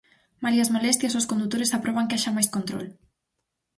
Malia as molestias, os condutores aproban que haxa máis control.